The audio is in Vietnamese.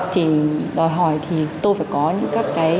thì đòi hỏi thì tôi phải có những các cái